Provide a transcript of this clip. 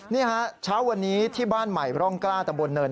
นี่ฮะเช้าวันนี้ที่บ้านใหม่ร่องกล้าตำบลเนิน